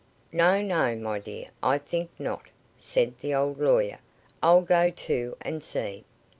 "No, no, my dear, I think not," said the old lawyer. "I'll go, too, and see."